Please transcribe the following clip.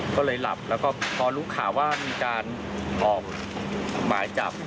ก็เลยหลับแล้วก็พอรู้ข่าวว่ามีการออกหมายจับ